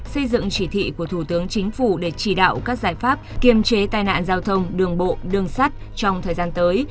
xây dựng chỉ thị của thủ tướng chính phủ để chỉ đạo các giải pháp kiềm chế tai nạn giao thông đường bộ đường sắt trong thời gian tới